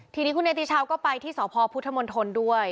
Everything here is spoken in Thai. ทีนี้คุณเนติชาวก็ไปที่สพพุทธมนตรด้วย